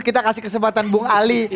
kita kasih kesempatan bung ali